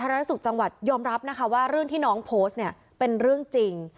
ธนสุขจังหวัดยอมรับนะคะว่าเรื่องที่น้องโพสต์เนี่ยเป็นเรื่องจริง